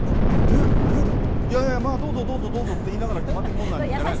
いやいや、まあ、どうぞ、どうぞって言いながら決まっていくもんじゃないんですか？